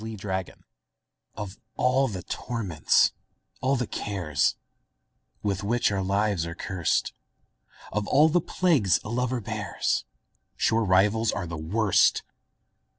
Y Z Rivals OF all the torments, all the cares, With which our lives are curst; Of all the plagues a lover bears, Sure rivals are the worst!